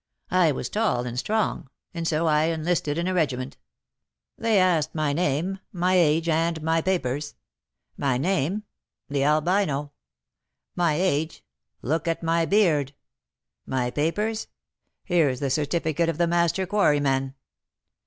I was tall and strong, and so I enlisted in a regiment. They asked my name, my age, and my papers. My name? the Albino. My age? look at my beard. My papers? here's the certificate of the master quarryman.